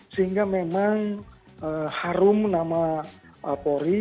sehingga memang harum nama pori